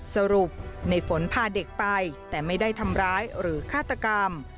สรุปในฝนพาเด็กไปแต่ไม่ได้ทำร้ายหรือฆาตกรรม